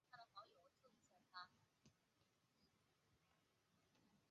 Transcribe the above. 日溪乡的主要人口为汉族和畲族。